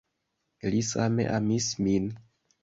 Li same amis min.